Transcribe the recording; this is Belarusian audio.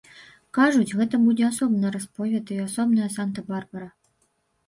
Кажуць, гэта будзе асобны расповед і асобная санта-барбара!